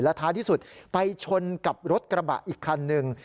ท้ายที่สุดไปชนกับรถกระบะอีกคันหนึ่ง